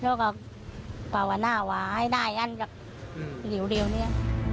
แล้วก็ประวัติหน้าวาให้ได้อันกับเดี๋ยวนี่